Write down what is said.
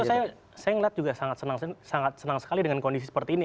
saya melihat juga sangat senang sekali dengan kondisi seperti ini